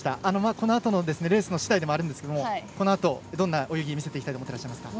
このあとのレース次第でもありますがこのあとどんな泳ぎを見せていきたいと思っていますか。